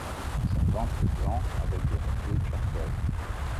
Son ventre est blanc avec des reflets turquoise.